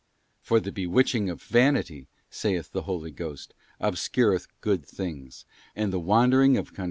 'For the bewitching of vanity,' saith the Holy Ghost, 'obscureth good things, and the wandering of con * Deuter, xxxii.